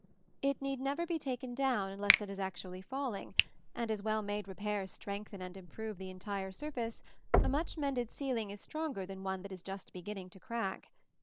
It need never be taken down unless it is actually falling; and as well made repairs strengthen and improve the entire surface, a much mended ceiling is stronger than one that is just beginning to crack.